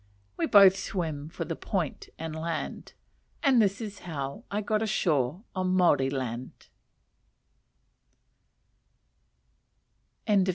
We both swim for the point, and land. And this is how I got ashore on Maori land.